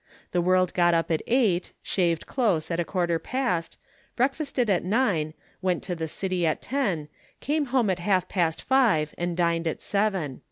The world got up at eight, shaved close at a quarter past, breakfasted at nine, went to the City at ten, came home at half past five, and dined at seven."